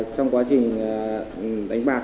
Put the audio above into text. trong quá trình đánh bạc